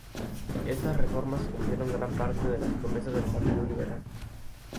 Estas reformas cumplieron gran parte de las promesas del Partido Liberal.